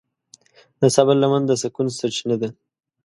د صبر لمن د سکون سرچینه ده.